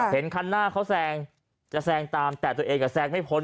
เห็นคันหน้าเขาแซงจะแซงตามแต่ตัวเองก็แซงไม่พ้น